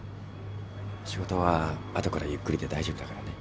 仕事は後からゆっくりで大丈夫だからね。